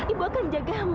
ibu akan menjagamu